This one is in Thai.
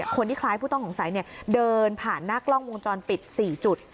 คนที่คล้ายผู้ต้องสงสัยเดินผ่านหน้ากล้องวงจรปิด๔จุด